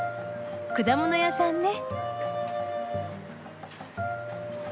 果物屋さんね。